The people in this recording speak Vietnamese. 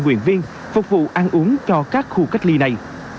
nguyện viên phục vụ ăn uống cho các khu cách ly này